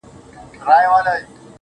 روح مي لا ورک دی، روح یې روان دی.